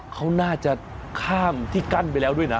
เขาน่าจะข้ามที่กั้นไปแล้วด้วยนะ